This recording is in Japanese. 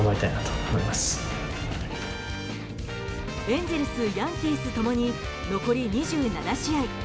エンゼルス、ヤンキース共に残り２７試合。